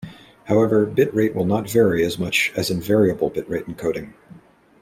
However, bitrate will not vary as much as in variable bitrate encoding.